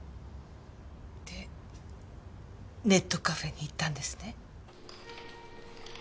でネットカフェに行ったんですね？